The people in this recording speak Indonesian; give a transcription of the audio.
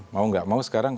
mau nggak mau sekarang